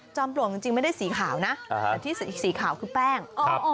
ปลวกจริงไม่ได้สีขาวนะแต่ที่สีขาวคือแป้ง